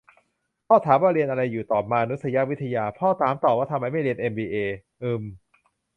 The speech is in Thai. พ่อถามว่า เรียนอะไรอยู่ ตอบ มานุษยวิทยา พ่อถามต่อว่า ทำไมไม่เรียนเอ็มบีเอ ? อืมมม